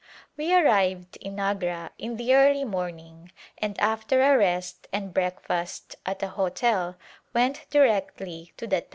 We arrived in Agra in the early morning and after a rest and breakfast at a hotel went directly to the Taj.